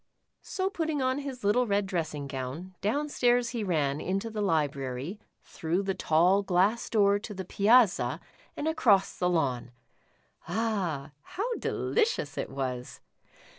So putting on his little red dressing gown, down stairs he ran, into the library, through the tall glass door to the piazza and across the lawn. Ah, how delicious it was